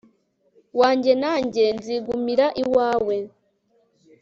wanjye; nanjye nzigumira iwawe